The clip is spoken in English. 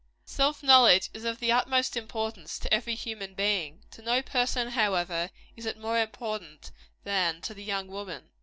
Self knowledge is of the utmost importance to every human being. To no person, however, is it more important than to the young woman.